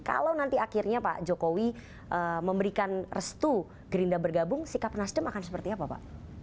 kalau nanti akhirnya pak jokowi memberikan restu gerindra bergabung sikap nasdem akan seperti apa pak